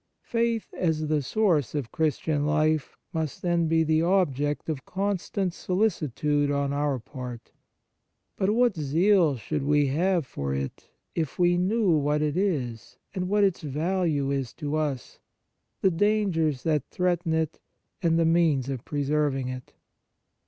Faith, as the source of Christian life, must, then, be the object of constant solicitude on our part ; but what zeal should we have for it if we knew what it is and what its value is * Luke xvii. 5. f Mark ix. 23. 58 The Nature of Piety to us, the dangers that threaten it and the means of preserving it